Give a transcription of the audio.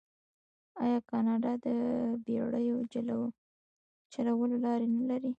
آیا کاناډا د بیړیو چلولو لارې نلري؟